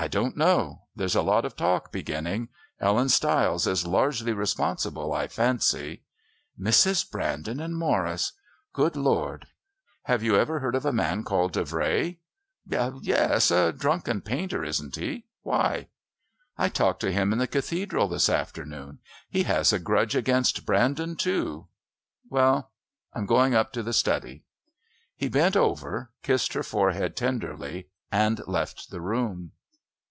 "I don't know. There's a lot of talk beginning. Ellen Stiles is largely responsible, I fancy." "Mrs. Brandon and Morris! Good Lord! Have you ever heard of a man called Davray?" "Yes, a drunken painter, isn't he? Why?" "I talked to him in the Cathedral this afternoon. He has a grudge against Brandon too...Well, I'm going up to the study." He bent over, kissed her forehead tenderly and left the room.